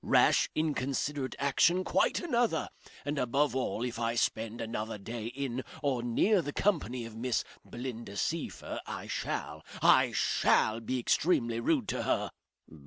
Rash, inconsiderate action quite another. And above all, if I spend another day in or near the company of Miss Belinda Seyffert I shall I shall be extremely rude to her."